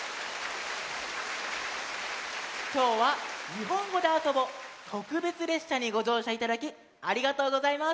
きょうは「にほんごであそぼ」とくべつれっしゃにごじょうしゃいただきありがとうございます。